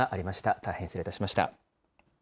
大変失礼いたしました。